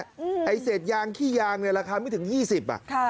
ไอ้เศษยางขี้ยางราคาไม่ถึง๒๐บาท